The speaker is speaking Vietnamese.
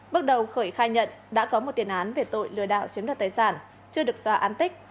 bước đầu khởi khai nhận đã có một tiền án về tội lừa đảo chiếm đoạt tài sản chưa được xóa án tích